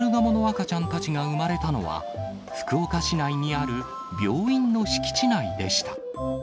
このカルガモの赤ちゃんたちが産まれたのは、福岡市内にある病院の敷地内でした。